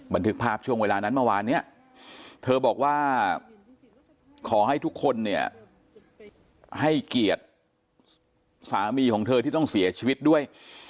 บันทึกภาพช่วงเวลานั้นเมื่อวานเนี่ยเธอบอกว่าขอให้ทุกคนเนี่ยให้เกียรติสามีของเธอที่ต้องเสียชีวิตด้วย